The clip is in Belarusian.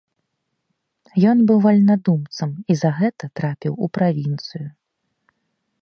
Ён быў вальнадумцам і за гэта трапіў у правінцыю.